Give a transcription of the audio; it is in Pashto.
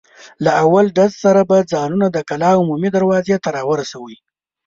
له اول ډز سره به ځانونه د کلا عمومي دروازې ته را رسوئ.